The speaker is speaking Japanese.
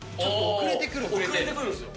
遅れてくるんすよ。